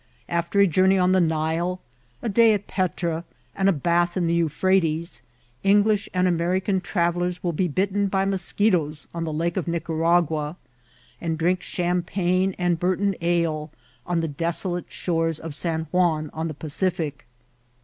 After a journey on the Nile, a day in Petra, and a bath in the Euphrates, English and American traveUers will be bitten by moschetoes on the Lake of Nicaragua, and drink Champagne and Burton ale on the desolate shores of San Juan on the Pacific.